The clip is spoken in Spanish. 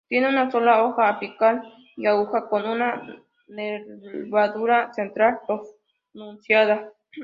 Tienen una sola hoja, apical y aguda con una nervadura central pronunciada.